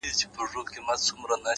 • خو په ژوند کي یې نصیب دا یو کمال وو ,